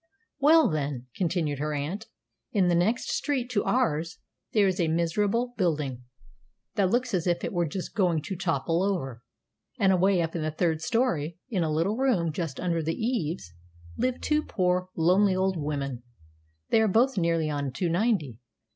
"Well, then," continued her aunt, "in the next street to ours there is a miserable building, that looks as if it were just going to topple over; and away up in the third story, in a little room just under the eaves, live two poor, lonely old women. They are both nearly on to ninety.